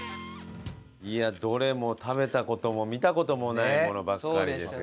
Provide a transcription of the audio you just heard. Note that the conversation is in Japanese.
いやどれも食べた事も見た事もないものばっかりですが。